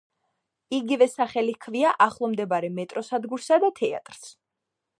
იგივე სახელი ჰქვია ახლომდებარე მეტროს სადგურსა და თეატრს.